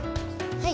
はい。